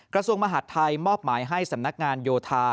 กระทรวงมหาดไทยมอบหมายให้สำนักงานโยธา